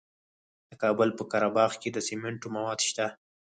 د کابل په قره باغ کې د سمنټو مواد شته.